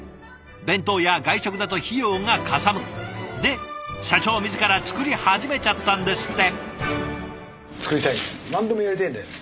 弁当や外食だと費用がかさむ。で社長自ら作り始めちゃったんですって。